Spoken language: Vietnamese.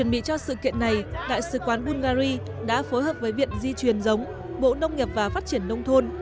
bị cho sự kiện này đại sứ quán bungary đã phối hợp với viện di truyền giống bộ nông nghiệp và phát triển nông thôn